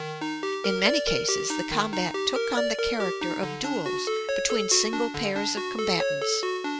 In many cases the combat took on the character of duels between single pairs of combatants.